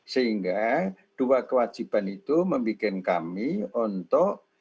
sehingga dua kewajiban itu membuat kami untuk